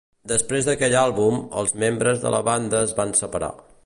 Després d'aquell àlbum, els membres de la banda es van separar.